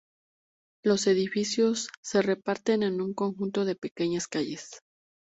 Los edificios se reparten en un conjunto de pequeñas calles.